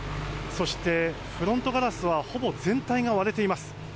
そして、フロントガラスはほぼ全体が割れています。